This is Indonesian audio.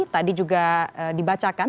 tadi juga dibacakan